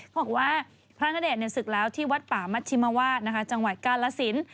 บอกว่าพระณเดชน์ศึกแล้วที่วัดป่ามัชชิมวาสจังหวัดกาลสิน